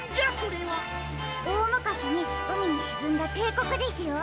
おおむかしにうみにしずんだていこくですよ。